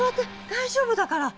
大丈夫だから。